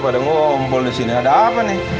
pada ngumpul di sini ada apa nih